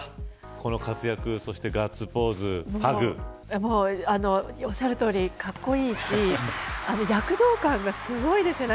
この活躍おっしゃるとおりかっこいいし躍動感がすごいですね。